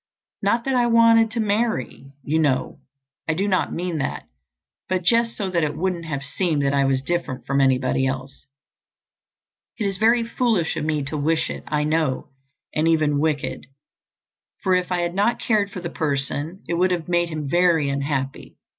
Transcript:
Not that I wanted to marry, you know, I do not mean that, but just so that it wouldn't have seemed that I was different from anybody else. It is very foolish of me to wish it, I know, and even wicked—for if I had not cared for the person it would have made him very unhappy.